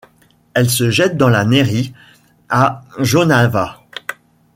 Elle se jette dans la Néris à Jonava.